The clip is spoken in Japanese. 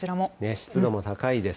湿度も高いです。